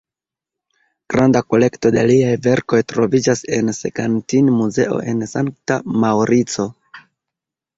Granda kolekto de liaj verkoj troviĝas en Segantini-muzeo en Sankta Maŭrico.